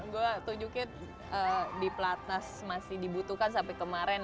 gue tunjukin di platnas masih dibutuhkan sampai kemarin